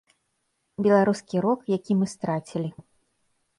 Беларускі рок, які мы страцілі.